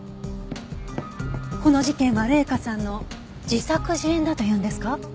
この事件は麗華さんの自作自演だと言うんですか？